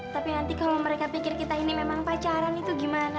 tapi nanti kalau mereka pikir kita ini memang pacaran itu gimana